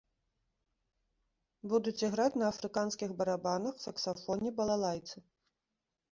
Будуць іграць на афрыканскіх барабанах, саксафоне, балалайцы.